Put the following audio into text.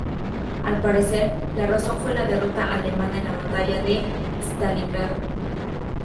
Al parecer, la razón fue la derrota alemana en la batalla de Stalingrado.